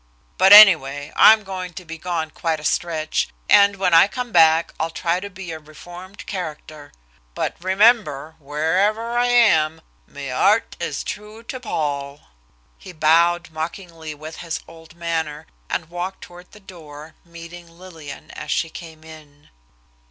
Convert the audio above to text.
But anyway I'm going to be gone quite a stretch, and when I come back I'll try to be a reformed character. But remember, wherever I am 'me art is true to Poll.'" He bowed mockingly with his old manner, and walked toward the door, meeting Lillian as she came in.